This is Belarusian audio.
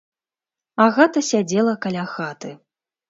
Агата сядзела каля хаты.